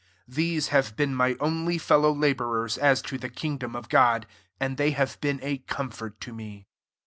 These have been my only fellow la* bourers as to the kingdom of God; and they have been a comfort to me.